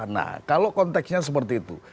nah kalau konteksnya seperti itu